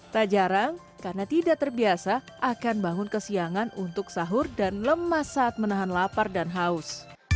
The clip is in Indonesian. tak jarang karena tidak terbiasa akan bangun kesiangan untuk sahur dan lemas saat menahan lapar dan haus